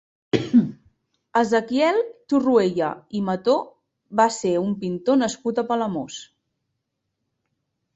Ezequiel Torroella i Mató va ser un pintor nascut a Palamós.